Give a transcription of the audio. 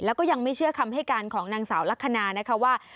แล้วก็ยังไม่เชื่อคำให้การของนางสาวลักษณะนะคะว่า